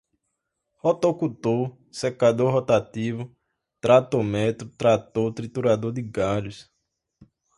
rotocultor, secador rotativo, tratometro, trator, triturador de galhos